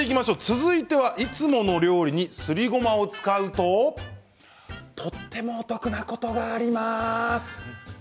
続いては、いつもの料理にすりごまを使うととってもお得なことがあります。